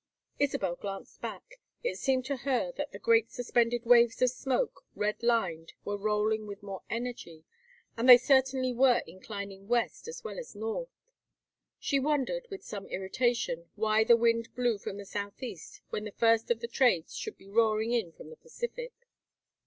Isabel glanced back. It seemed to her that the great suspended waves of smoke, red lined, were rolling with more energy, and they certainly were inclining west as well as north. She wondered, with some irritation, why the wind blew from the southeast when the first of the trades should be roaring in from the Pacific.